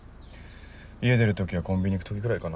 家出る時はコンビニ行く時ぐらいかな。